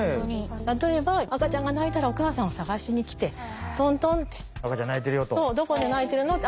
例えば赤ちゃんが泣いたらお母さんを捜しに来てトントンって。赤ちゃん泣いてるよと。